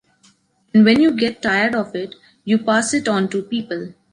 And when you get tired of it, you pass it on to people.